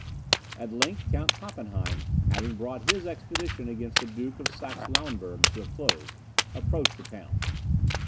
At length Count Pappenheim, having brought his expedition against the Duke of Saxe Lauenburg to a close, approached the town.